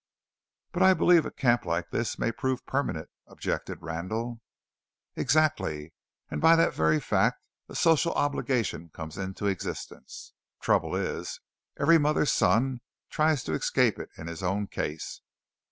"But I believe a camp like this may prove permanent," objected Randall. "Exactly. And by that very fact a social obligation comes into existence. Trouble is, every mother's son tries to escape it in his own case.